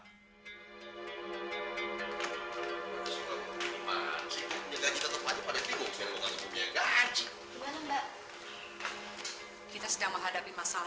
harusnya gue minta iman